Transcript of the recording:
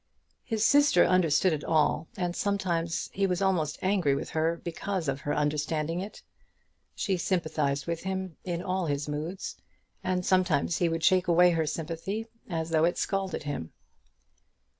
His sister understood it all, and sometimes he was almost angry with her because of her understanding it. She sympathised with him in all his moods, and sometimes he would shake away her sympathy as though it scalded him.